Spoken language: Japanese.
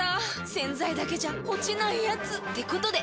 ⁉洗剤だけじゃ落ちないヤツってことで。